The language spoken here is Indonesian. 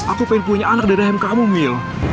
aku pengen punya anak dari hem kamu mel